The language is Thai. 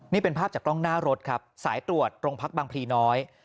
นี่เป็นภาพจากกล้องหน้ารถครับสายตรวจโรงพักบางพลีน้อย